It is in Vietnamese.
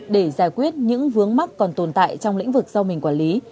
để giải quyết những vướng mắc còn tồn tại trong lĩnh vực do mình quản lý